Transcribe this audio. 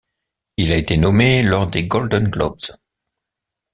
Il a été nommé lors des Golden Globes.